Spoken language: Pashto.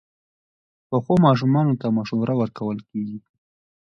پخو ماشومانو ته مشوره ورکول کېږي